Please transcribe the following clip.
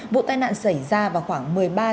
bộ tai nạn xảy ra vào khoảng